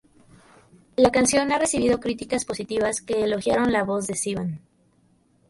La canción ha recibido críticas positivas que elogiaron la voz de Sivan.